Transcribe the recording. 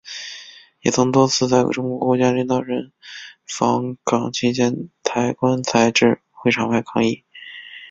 也曾多次在中国国家领导人访港期间抬棺材至会场外抗议。